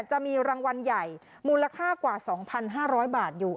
จะมีรางวัลใหญ่มูลค่ากว่าสองพันห้าร้อยบาทอยู่